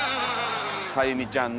さゆみちゃんね。